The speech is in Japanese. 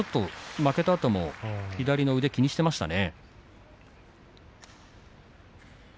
負けたあとも左の腕を気にしていましたね。